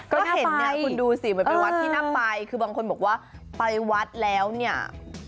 ก็เห็นเนี่ยคุณดูสิมันเป็นวัดที่น่าไปคือบางคนบอกว่าไปวัดแล้วเนี่ย